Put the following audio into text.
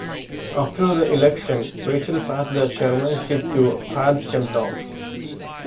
After the election, Wachtel passed the chairmanship to Ohad Shem-Tov.